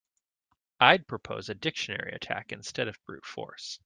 I'd propose a dictionary attack instead of brute force.